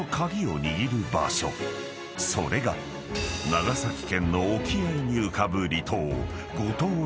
［長崎県の沖合に浮かぶ離島］